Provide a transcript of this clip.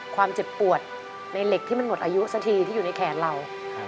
ความเจ็บปวดในเหล็กที่มันหมดอายุสักทีที่อยู่ในแขนเรา